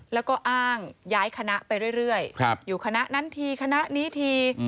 แล้วก็อ้างย้ายคณะไปเรื่อยอยู่คณะนั้นทีคณะนี้ที